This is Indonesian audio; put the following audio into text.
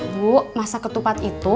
bu masak ketupat itu